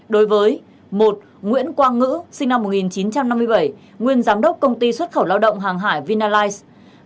đối với một nguyễn quang ngữ sinh năm một nghìn chín trăm năm mươi bảy nguyên giám đốc công ty xuất khẩu lao động hàng hải vinalize